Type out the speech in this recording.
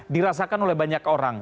dirasakan oleh banyak orang